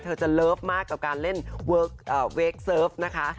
เธอจะเลิฟมากกับการเล่นเวคเซิร์ฟนะคะ